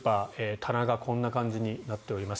棚がこんな感じになっております。